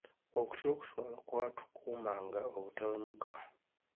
Okutya okuswala kwatukuumanga obutawemuka.